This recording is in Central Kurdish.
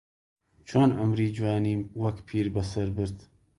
چۆن عومری جوانیم وەک پیربەسەر برد